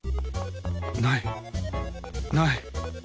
ないない！